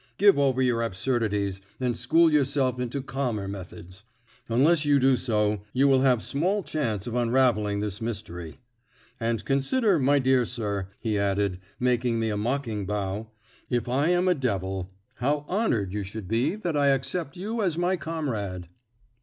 Give over your absurdities, and school yourself into calmer methods. Unless you do so, you will have small chance of unravelling this mystery. And consider, my dear sir," he added, making me a mocking bow, "if I am a devil, how honoured you should be that I accept you as my comrade!"